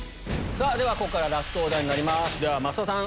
ここからラストオーダーになります増田さん